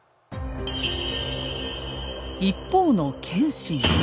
一方の謙信。